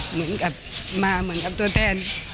เหมือนกับมาเหมือนกับตัวแทน